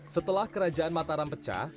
setelah kerajaan mataram pecah